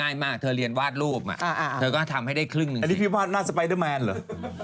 ก็ทำให้ได้ครึ่งนึงสินะครับอันนี้พี่พ่อหน้าสไปเดอร์แมนหรือ